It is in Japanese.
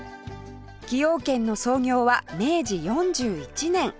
崎陽軒の創業は明治４１年